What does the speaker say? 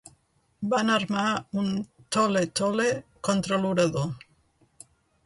Van armar un tol·le-tol·le contra l'orador.